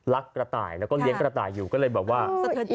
กระต่ายแล้วก็เลี้ยงกระต่ายอยู่ก็เลยแบบว่า